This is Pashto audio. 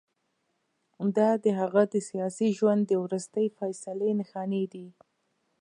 دا د هغه د سیاسي ژوند د وروستۍ فیصلې نښانې دي.